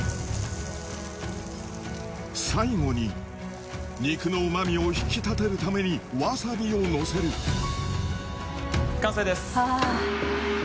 最後に肉の旨味を引き立てるためにわさびをのせる完成です。